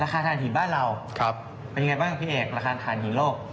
ราคาถ่านหินบ้านเราครับเป็นยังไงบ้างพี่เอกราคาถ่านหินโลก